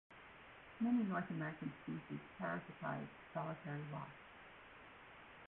Many North American species parasitize solitary wasps.